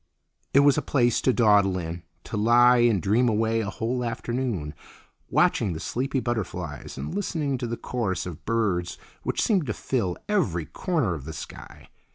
It was a place to dawdle in, to lie and dream away a whole afternoon, watching the sleepy butterflies and listening to the chorus of birds which seemed to fill every corner of the sky.